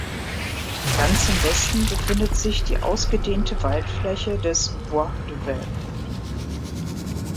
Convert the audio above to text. Ganz im Westen befindet sich die ausgedehnte Waldfläche des "Bois de Vaivre".